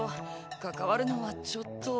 かかわるのはちょっと。